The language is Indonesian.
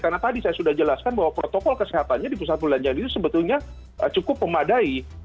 karena tadi saya sudah jelaskan bahwa protokol kesehatannya di pusat belanjaan itu sebetulnya cukup memadai